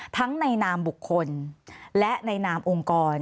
ในนามบุคคลและในนามองค์กร